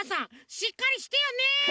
しっかりしてよね。